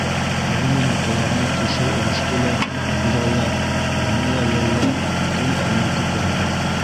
Риманың ҡолағына төшөр өлөштө лә күҙаллап, уны ла йәлләп, тын алмай көтәбеҙ.